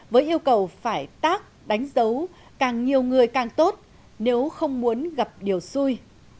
với yêu cầu phải tác đánh dấu càng nhiều người càng tốt nếu không muốn gặp điều xui